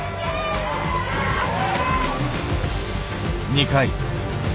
２回。